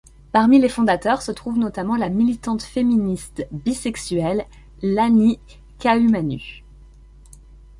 Parmi les fondateurs se trouve notamment la militante féministe bisexuelle Lani Ka'ahumanu.